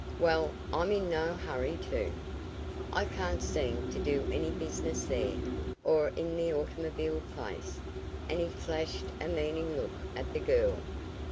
Well, I'm in no hurry to. I can't seem to do any business there, or in the automobile place," and he flashed a meaning look at the girl.